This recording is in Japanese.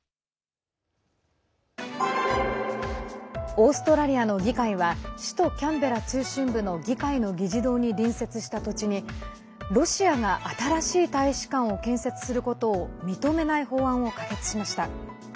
オーストラリアの議会は首都キャンベラ中心部の議会の議事堂に隣接した土地にロシアが新しい大使館を建設することを認めない法案を可決しました。